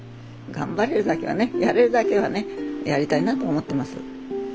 頑張れるだけはねやれるだけはねやりたいなと思ってます。